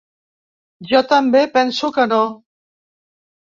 Jo també penso que no.